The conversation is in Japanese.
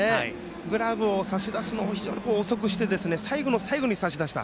グラブを差し出すのを遅くして最後の最後に差し出した。